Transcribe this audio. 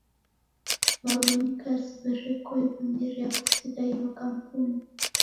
W'abonyi kazi w'erekoo w'ameria kusigha iyo kampuni.